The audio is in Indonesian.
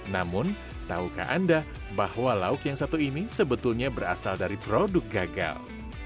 namun tahukah anda bahwa lauk yang satu ini sebetulnya berasal dari produk gagal